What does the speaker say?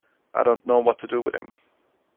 I don’t know what to do with him.